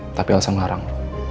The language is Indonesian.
tetapi elsa mengharang